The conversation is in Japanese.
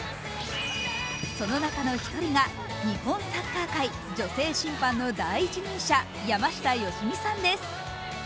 その中の１人が日本サッカー界女性審判の第一人者山下良美さんです。